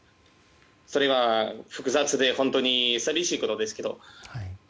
それは複雑で寂しいことですけど。